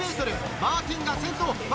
マーティンが先頭。